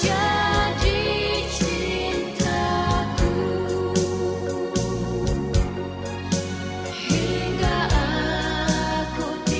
aku tukar dengan makota